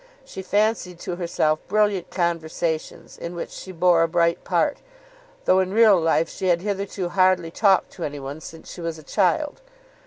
She fancied to herself brilliant conversations in which she bore a bright part, though in real life she had hitherto hardly talked to any one since she was a child.